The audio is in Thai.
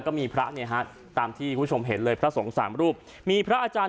ก็มีพระเนี่ยฮะตามที่คุณผู้ชมเห็นเลยพระสงฆ์สามรูปมีพระอาจารย์